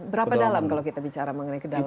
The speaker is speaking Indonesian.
berapa dalam kalau kita bicara mengenai kedalaman